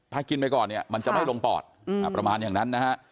ถ้ากินไปก่อนเนี่ยมันจะไม่ลงปอดประมาณอย่างนั้นนะฮะ